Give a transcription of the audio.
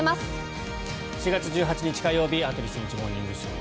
４月１８日、火曜日「羽鳥慎一モーニングショー」。